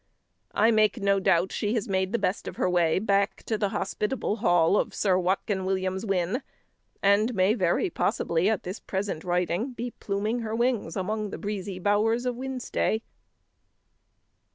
I make no doubt she has made the best of her way back to the hospitable Hall of Sir Watkyn Williams Wynn; and may very possibly, at this present writing, be pluming her wings among the breezy bowers of Wynnstay.